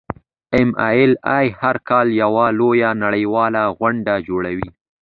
ایم ایل اې هر کال یوه لویه نړیواله غونډه جوړوي.